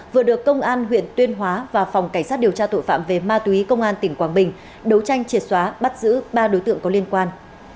vừa được công an huyện tuyên hóa và phòng cảnh sát điều tra tội phạm về ma túy công an tỉnh quảng bình đấu tranh triệt xóa bắt giữ ba đối tượng có liên quan